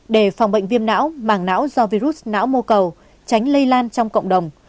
để phòng bệnh viêm não mảng não do virus não mô cầu tránh lây lan trong cộng đồng